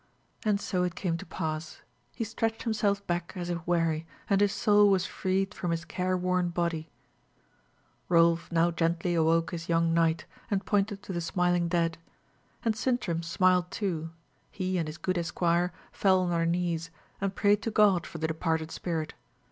And so it came to pass. He stretched himself back as if weary, and his soul was freed from his care worn body. Rolf now gently awoke his young knight, and pointed to the smiling dead. And Sintram smiled too; he and his good esquire fell on their knees, and prayed to God for the departed spirit.